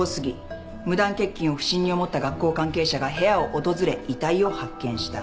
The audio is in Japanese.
無断欠勤を不審に思った学校関係者が部屋を訪れ遺体を発見した。